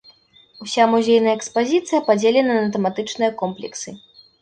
Уся музейная экспазіцыя падзелена на тэматычныя комплексы.